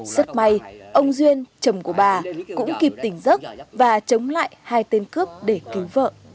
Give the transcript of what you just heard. rất may ông duyên chồng của bà cũng kịp tỉnh giấc và chống lại hai tên cướp để cứu vợ